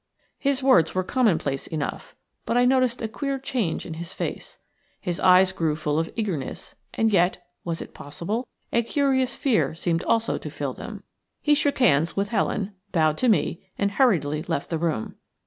His words were commonplace enough, but I noticed a queer change in his face. His eyes grew full of eagerness, and yet – was it possible? – a curious fear seemed also to fill them. He shook hands with Helen, bowed to me, and hurriedly left the room.